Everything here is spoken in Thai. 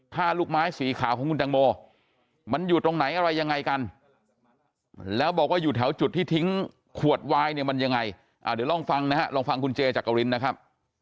ลูกไม้สีขาวของคุณตังโมมันอยู่ตรงไหนอะไรยังไงกันแล้วบอกว่าอยู่แถวจุดที่ทิ้งขวดวายเนี่ยมันยังไงเดี๋ยวลองฟังนะฮะลองฟังคุณเจจักรินนะครับ